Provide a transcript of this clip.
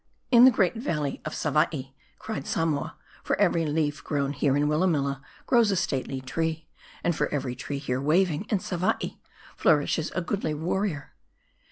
" In the great valley of Savaii," cried Samoa, " for every leaf grown here in Willamilla, grows a stately tree ; and for every tree here waving, in Savaii nourishes a goodly warrior."